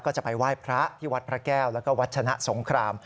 ก็จะไปไหว้พระที่วัดพระแก้วแล้วก็วัชนะสงคราม